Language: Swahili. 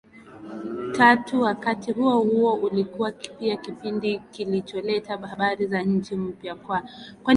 tatu Wakati huohuo ulikuwa pia kipindi kilicholeta habari za nchi mpya kwa